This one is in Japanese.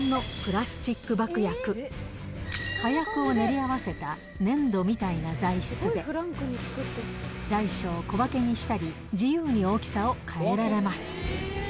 火薬を練り合わせた粘土みたいな材質で、大小、小分けにしたり、自由に大きさを変えられます。